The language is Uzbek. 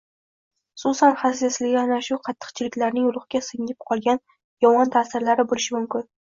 xususan, xasisligi ana shu qattiqchiliklarning ruhga singib qolgan yomon ta’sirlari bo’lishi mumkin.